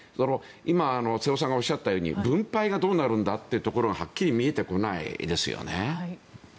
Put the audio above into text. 今、瀬尾さんがおっしゃったように分配がどうなるんだっていうところがはっきり見えてこないですよね。